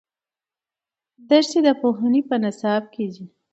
دښتې د پوهنې په نصاب کې دي.